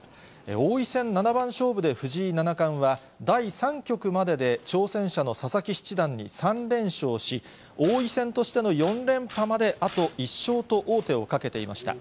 王位戦七番勝負で藤井七冠は、第３局までで挑戦者の佐々木七段に３連勝し、王位戦としての４連覇まであと１勝と王手をかけていました。